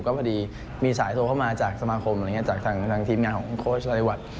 ก็พอดีมีสายโทรเข้ามาจากสมาคมจากทางทีมงานของโค้ชรายวัช